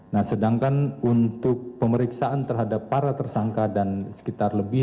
nah sedangkan untuk pemeriksaan terhadap para tersangka dan sekitar lebih